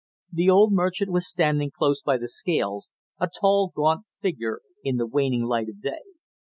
The old merchant was standing close by the scales, a tall gaunt figure in the waning light of day.